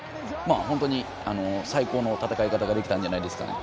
本当に、最高の戦い方ができたんじゃないですかね。